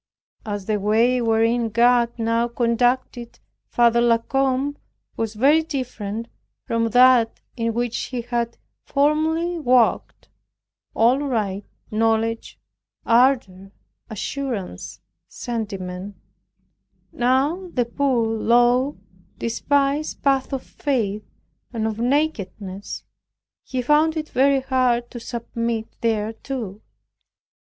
As the way, wherein God now conducted Father La Combe, was very different from that in which he had formerly walked (all light, knowledge, ardor, assurance, sentiment) now the poor, low, despised path of faith, and of nakedness; he found it very hard to submit thereto.